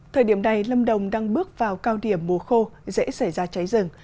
thời điểm này lâm đồng đang bước vào cao điểm mùa khô dễ xảy ra cháy rừng